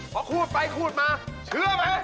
พอคูดไปคูดมาเชื่อไหม